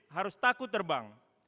harus takut terbang